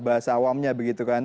bahasa awamnya begitu kan